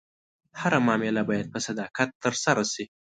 هره معامله باید په صداقت ترسره شي.